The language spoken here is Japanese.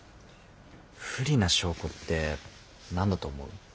不利な証拠って何だと思う？